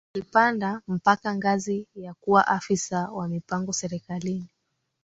Alipanda mpakangazi ya kuwa afisa wa mipango serikalini